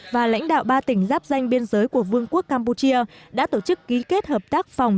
và lãnh đạo ba tỉnh giáp danh biên giới của vương quốc campuchia đã tổ chức ký kết hợp tác phòng